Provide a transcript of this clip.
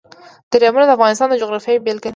دریابونه د افغانستان د جغرافیې بېلګه ده.